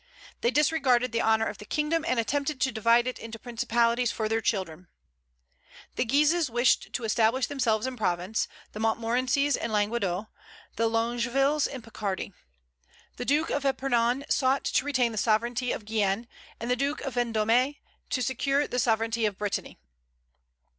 They disregarded the honor of the kingdom, and attempted to divide it into principalities for their children. "The Guises wished to establish themselves in Provence, the Montmorencies in Languedoc, the Longuevilles in Picardy. The Duke of Epernon sought to retain the sovereignty of Guienne, and the Duke of Vendôme to secure the sovereignty of Brittany."